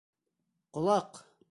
Ҡолак!